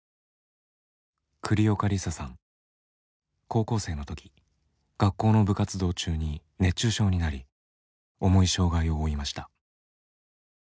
高校生の時学校の部活動中に熱中症になり重い障害を負いました。